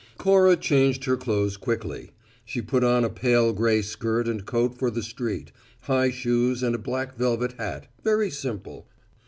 Cora changed her clothes quickly. She put on a pale gray skirt and coat for the street, high shoes and a black velvet hat, very simple.